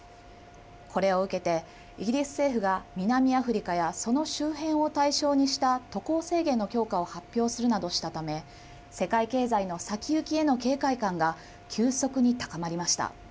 これを受けてイギリス政府が南アフリカやその周辺を対象にした渡航制限の強化を発表するなどしたため世界経済の先行きへの警戒感が急速に高まりました。